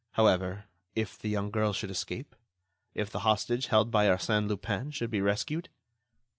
However, if the young girl should escape? If the hostage held by Arsène Lupin should be rescued?